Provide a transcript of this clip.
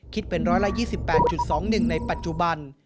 คิดเป็น๑๒๘๒๑ในปัจจุบัน